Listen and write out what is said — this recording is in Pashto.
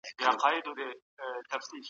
نرم رګونه وینه ښه لېږدوي.